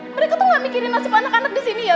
mereka tuh gak mikirin nasib anak anak disini ya